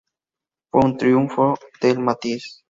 Fue un triunfo del matiz.